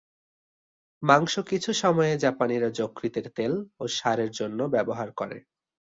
মাংস কিছু সময়ে জাপানিরা যকৃতের তেল ও সার এর জন্য ব্যবহার করে।